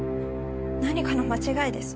何かの間違いです。